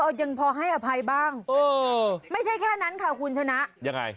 ยังพอให้อภัยบ้างเออไม่ใช่แค่นั้นค่ะคุณชนะยังไง